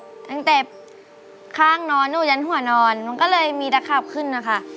ตั้งแต่ข้างนอนหนูยันหัวนอนมันก็เลยมีตะขาบขึ้นนะคะ